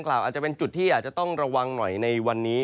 อาจจะเป็นจุดที่อาจจะต้องระวังหน่อยในวันนี้